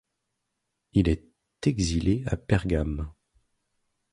Il est exilé à Pergame.